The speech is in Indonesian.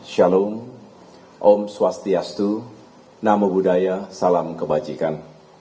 shalom om swastiastu namo buddhaya salam kebajikan